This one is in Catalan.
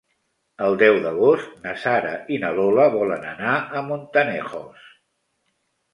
El deu d'agost na Sara i na Lola volen anar a Montanejos.